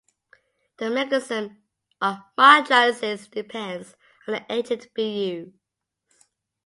The mechanism of mydriasis depends on the agent being used.